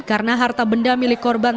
karena harta benda milik korban